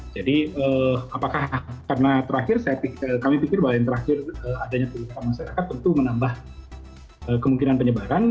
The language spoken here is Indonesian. jadi apakah karena terakhir kami pikir bahwa yang terakhir adanya penyebaran masyarakat tentu menambah kemungkinan penyebaran